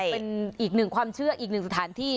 เป็นอีกหนึ่งความเชื่ออีกหนึ่งสถานที่